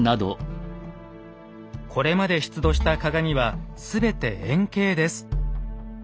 これまで出土した鏡は全て円形です。